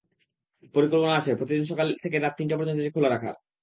পরিকল্পনা আছে, প্রতিদিন সকাল থেকে রাত তিনটা পর্যন্ত এটি খোলা রাখার।